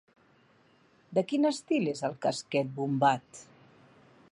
De quin estil és el casquet bombat?